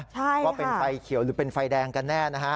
ใช่ว่าเป็นไฟเขียวหรือเป็นไฟแดงกันแน่นะฮะ